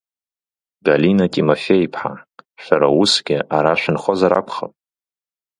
Галина Тимофеи-иԥҳа, шәара усгьы ара шәынхозар акәхап…